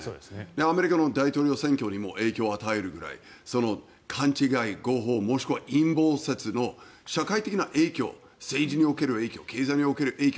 アメリカの大統領選挙にも影響を与えるぐらい勘違い、誤報もしくは陰謀説の社会的な影響、政治における影響経済における影響